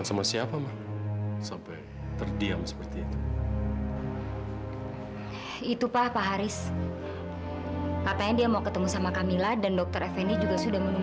sampai jumpa di video selanjutnya